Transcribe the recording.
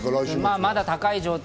まだ高い状態。